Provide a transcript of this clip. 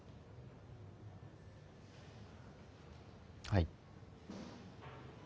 はい。